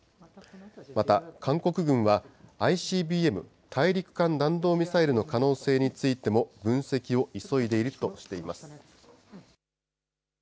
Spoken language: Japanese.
また、韓国軍はＩＣＢＭ・大陸間弾道ミサイルの可能性についても分析を急いでいるとしています。